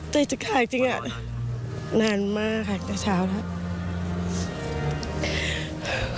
แต่จะขายจริงนานมากค่ะแต่เช้าแล้ว